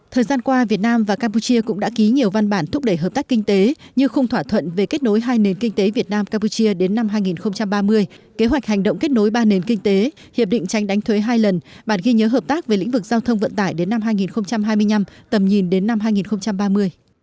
thời gian qua việt nam và campuchia cũng đã ký nhiều văn bản thúc đẩy hợp tác kinh tế như khung thỏa thuận về kết nối hai nền kinh tế việt nam campuchia đến năm hai nghìn ba mươi kế hoạch hành động kết nối ba nền kinh tế hiệp định tranh đánh thuế hai lần bản ghi nhớ hợp tác về lĩnh vực giao thông vận tải đến năm hai nghìn hai mươi năm tầm nhìn đến năm hai nghìn ba mươi